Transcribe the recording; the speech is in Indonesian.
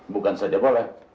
bukan saja boleh